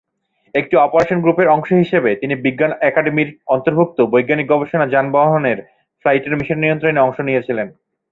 একটি অপারেশন গ্রুপের অংশ হিসাবে, তিনি বিজ্ঞান একাডেমির অন্তর্ভুক্ত বৈজ্ঞানিক গবেষণা যানবাহনের ফ্লাইটের মিশন নিয়ন্ত্রণে অংশ নিয়েছিলেন।